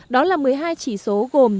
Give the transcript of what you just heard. đó là một mươi hai chỉ số gồm